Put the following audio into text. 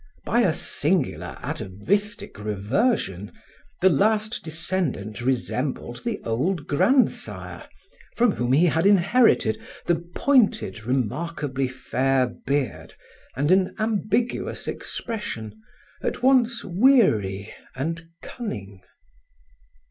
By a singular, atavistic reversion, the last descendant resembled the old grandsire, from whom he had inherited the pointed, remarkably fair beard and an ambiguous expression, at once weary and cunning.